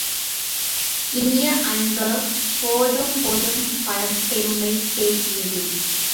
இனிய அன்ப, போதும் போதும் பழம்பெருமை பேசியது!